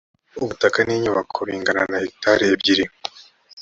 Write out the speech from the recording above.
ubutaka n inyubako bingana na hegitari biri